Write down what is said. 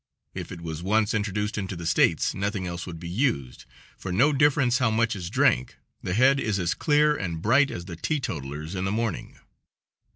If it was once introduced into the States nothing else would be used, for no difference how much is drank, the head is as clear and bright as the teetotaler's in the morning.